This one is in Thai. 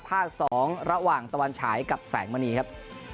๒ระหว่างตะวันฉายกับแสงมณีครับ